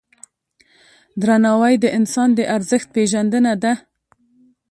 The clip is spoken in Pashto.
درناوی د انسان د ارزښت پیژندنه ده.